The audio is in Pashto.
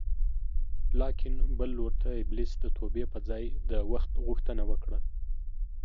لاکن بل لور ته ابلیس د توبې په ځای د وخت غوښتنه وکړه